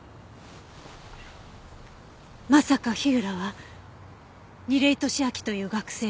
まさか火浦は楡井敏秋という学生を。